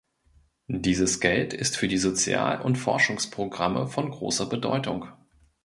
Dieses Geld ist für die Sozial-und Forschungsprogramme von großer Bedeutung.